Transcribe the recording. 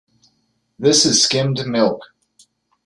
This is skimmed milk.